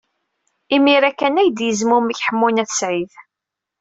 Imir-a kan ay d-yezmumeg Ḥemmu n At Sɛid.